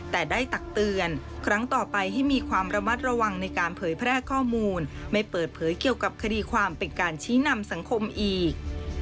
แต่ได้ตักเตือนครั้งต่อไปให้มีความระมัดระวังในการเผยแพร่ข้อมูลไม่เปิดเผยเกี่ยวกับคดีความเป็นการชี้นำสังคมอีก